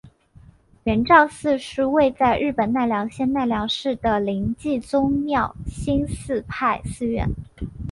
圆照寺是位在日本奈良县奈良市的临济宗妙心寺派寺院。